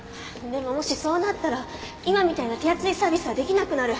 でももしそうなったら今みたいな手厚いサービスはできなくなる。